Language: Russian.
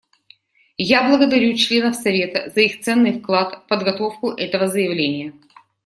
Я благодарю членов Совета за их ценный вклад в подготовку этого заявления.